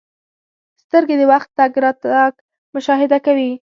• سترګې د وخت تګ راتګ مشاهده کوي.